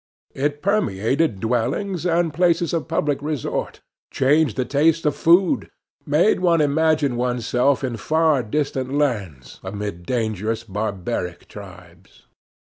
It permeated dwellings and places of public resort, changed the taste of food, made one imagine one's self in far distant lands, amid dangerous, barbaric tribes.